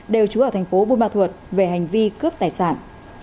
đều chú ở thành phố bôn bà thuật về hành vi cướp tài sản